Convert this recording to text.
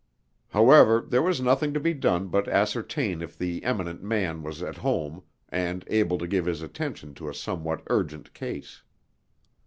However, there was nothing to be done but ascertain if the eminent man was at home, and able to give his attention to a somewhat urgent case.